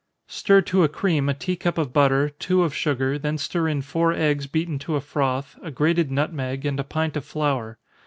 _ Stir to a cream a tea cup of butter, two of sugar, then stir in four eggs beaten to a froth, a grated nutmeg, and a pint of flour.